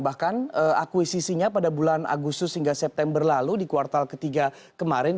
bahkan akuisisinya pada bulan agustus hingga september lalu di kuartal ketiga kemarin